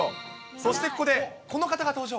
そして、ここでこの方が登場。